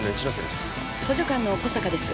補助官の小坂です。